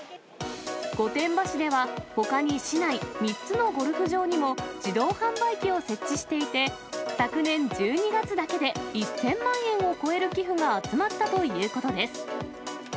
御殿場市ではほかに市内３つのゴルフ場にも自動販売機を設置していて、昨年１２月だけで１０００万円を超える寄付が集まったということです。